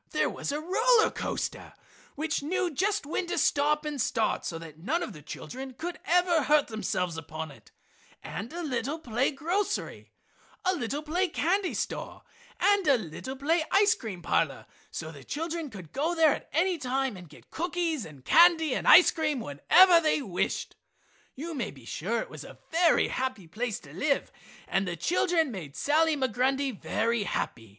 There was a roller coaster which knew just when to stop and start so that none of the children could ever hurt themselves upon it, and a little play grocery, a little play candy store, and a little play ice cream parlor so that the children could go there at any time and get cookies and candy and ice cream whenever they wished. You may be sure it was a very happy place to live and the children made Sally Migrundy very happy.